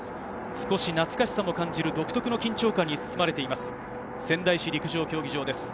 少し懐かしさも感じる、独特の緊張感に包まれています、仙台市陸上競技場です。